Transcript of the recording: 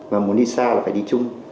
và muốn đi xa thì phải đi chung